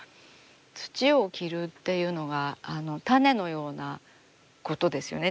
土を着るっていうのが種のようなことですよね。